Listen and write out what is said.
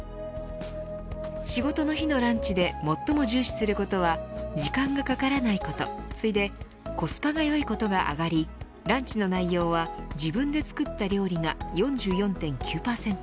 仕事の日のランチで最も重視することは時間がかからないこと、次いでコスパがよいことが上がりランチの内容は自分で作った料理が４４．９％